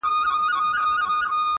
یاره ستا خواږه کاته او که باڼه وي,